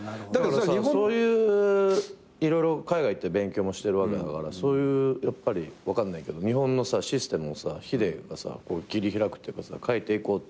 そういう色々海外行って勉強もしてるわけだから分かんないけど日本のシステムをヒデが切り開くっていうか変えていこうって。